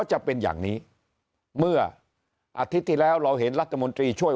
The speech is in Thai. จะเป็นอย่างนี้เมื่ออาทิตย์ที่แล้วเราเห็นรัฐมนตรีช่วย